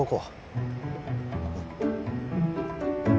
うん？